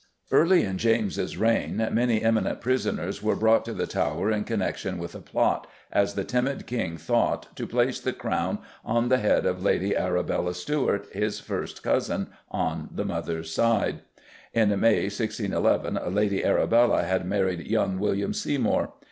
Early in James's reign many eminent prisoners were brought to the Tower in connection with a plot, as the timid King thought, to place the Crown on the head of Lady Arabella Stuart, his first cousin on the mother's side. In May 1611 Lady Arabella had married young William Seymour.